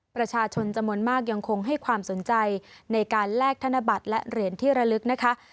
ประชาชนจำนวนมากยังคงให้ความสนใจในการแลกธนบัตรและเหรียญที่ระลึกนะคะ